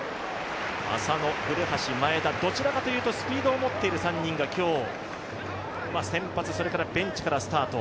浅野、古橋、前田、どちらかというとスピードを持っている３人が今日、先発それからベンチからスタート。